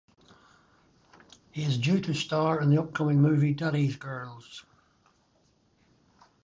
He is due to star in the upcoming movie "Daddies' Girls".